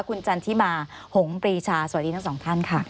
คุณจันทิมาหงปรีชาสวัสดีทั้งสองท่านค่ะ